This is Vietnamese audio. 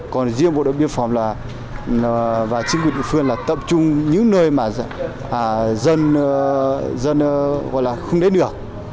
còn riêng bộ đội biên phòng và chính quyền địa phương tập trung những nơi mà dân không đến được